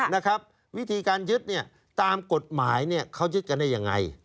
นะครับวิธีการยึดเนี่ยตามกฎหมายเนี่ยเขายึดกันได้ยังไง